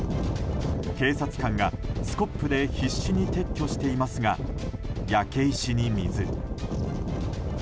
警察官がスコップで必死に撤去していますが、焼け石に水。